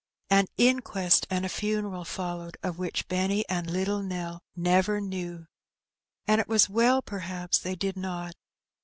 An inquest and a funeral followed, of which Benny and little Nell never knew. And it was well, perhaps, they did not.